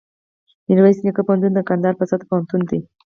میرویس نیکه پوهنتون دکندهار په سطحه پوهنتون دی